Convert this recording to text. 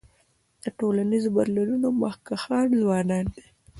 د ټولنیزو بدلونونو مخکښان ځوانان دي.